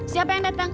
siapa yang datang